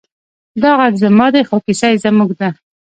دا غږ زما دی، خو کیسه زموږ ده.